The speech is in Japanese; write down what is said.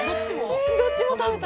どっちも食べた。